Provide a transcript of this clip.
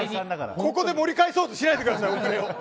ここで盛り返そうとしないでください。